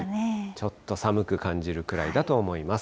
ちょっと寒く感じるくらいだと思います。